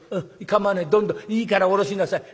構わないどんどんいいから下ろしなさい。